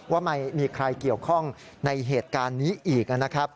ว่าไม่มีใครเกี่ยวข้องในเหตุการณ์นี้อีกนะครับ